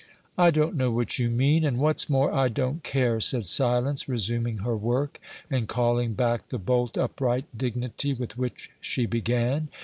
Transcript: "I don't know what you mean, and, what's more, I don't care," said Silence, resuming her work, and calling back the bolt upright dignity with which she began.